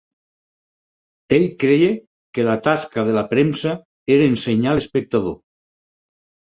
Ell creia que la tasca de la premsa era ensenyar l'espectador.